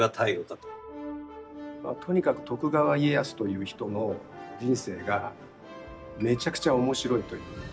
とにかく徳川家康という人の人生がめちゃくちゃ面白いということに尽きるんですけど。